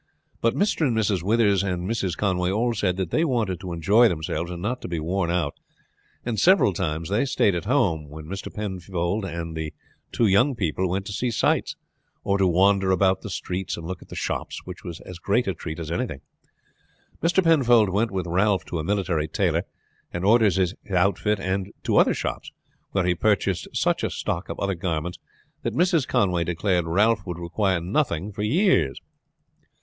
But Mr. and Mrs. Withers and Mrs. Conway all said that they wanted to enjoy themselves and not to be worn out, and several times they stayed at home when Mr. Penfold and the two young people went to see sights, or to wander about the streets and look at the shops, which was as great a treat as any thing. Mr. Penfold went with Ralph to a military tailor and ordered his outfit, and to other shops, where he purchased such a stock of other garments that Mrs. Conway declared Ralph would require nothing for years.